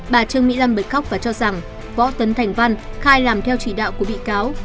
bà trương mỹ lâm bật khóc và cho rằng võ tấn thành văn khai làm theo chỉ đạo của bị cáo